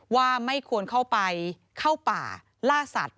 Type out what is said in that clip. ว่าไม่ควรเข้าไปเข้าป่าล่าสัตว